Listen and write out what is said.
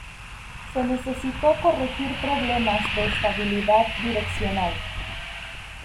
Se necesitó corregir problemas de estabilidad direccional.